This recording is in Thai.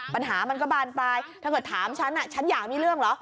ปัญหามันก็บานปลายถ้าเกิดถามฉันฉันอยากมีเรื่องเหรอ